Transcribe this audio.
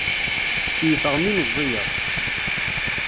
Keyyfeɣ mi meẓẓiyeɣ.